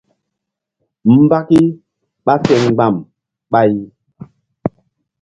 Mbaki ɓa fe mgba̧m ɓay.